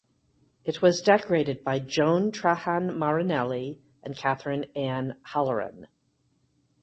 It was decorated by Joan Trahan Marinelli and Catherine Ann Halleran.